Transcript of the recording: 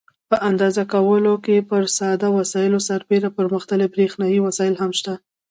په اندازه کولو کې پر ساده وسایلو سربیره پرمختللي برېښنایي وسایل هم شته.